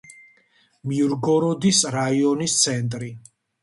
მირგოროდის რაიონის ცენტრი.